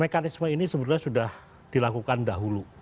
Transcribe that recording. mekanisme ini sebenarnya sudah dilakukan dahulu